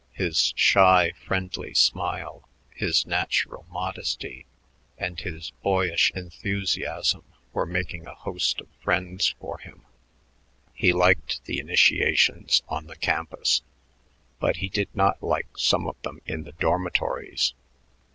His shy, friendly smile, his natural modesty, and his boyish enthusiasm were making a host of friends for him. He liked the "initiations" on the campus, but he did not like some of them in the dormitories.